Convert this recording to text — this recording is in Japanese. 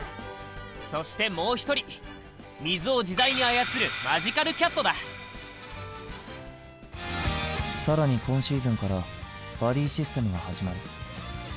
そしてもう一人水を自在に操る更に今シーズンからバディシステムが始まる。